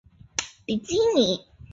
眼完全为脂性眼睑所覆盖。